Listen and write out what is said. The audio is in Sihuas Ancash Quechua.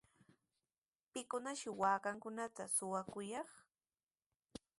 ¿Pikunashi waakankunata shuwakuyaanaq?